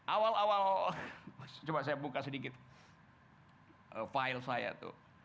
awal awal coba saya buka sedikit file saya tuh